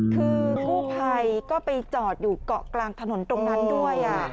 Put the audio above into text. คือกู้ภัยก็ไปจอดอยู่เกาะกลางถนนตรงนั้นด้วย